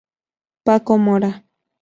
Paco Mora.